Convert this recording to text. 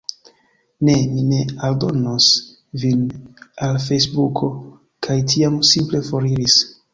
"Ne. Mi ne aldonos vin al Fejsbuko." kaj tiam simple foriris.